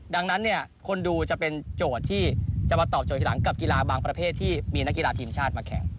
ดังนั้นเนี่ยคนดูจะเป็นโจทย์ที่จะมาตอบโจทย์ทีหลังกับกีฬาบางประเภทที่มีนักกีฬาทีมชาติมาแข่ง